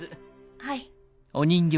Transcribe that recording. はい。